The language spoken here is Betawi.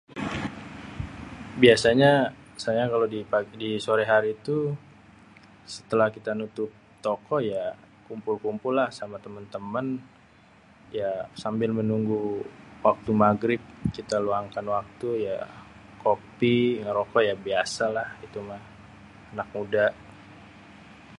biasanya saya kalo disore hari tuh setelah kita nutup toko ya, kumpul-kumpul lah same temen temen ya sambil menunggu waktu magrib kité luangkan waktu yé kopi roko ya biasalah itumeh anak mude